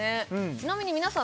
ちなみに皆さん